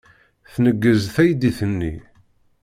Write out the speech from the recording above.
Tneggez teydit-nni.